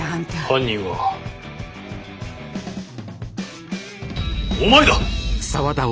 犯人はお前だ！